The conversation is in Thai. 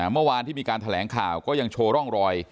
เมื่อวานที่มีการแถลงข่าวก็ยังโชว์ร่องรอย